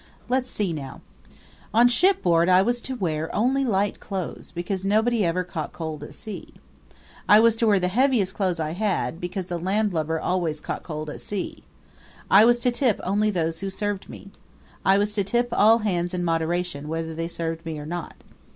Let's see, now: On shipboard I was to wear only light clothes, because nobody ever caught cold at sea. I was to wear the heaviest clothes I had, because the landlubber always caught cold at sea. I was to tip only those who served me. I was to tip all hands in moderation, whether they served me or not.